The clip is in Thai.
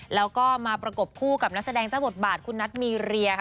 แล้วก็มาประกบคู่กับนักแสดงเจ้าบทบาทคุณนัทมีเรียค่ะ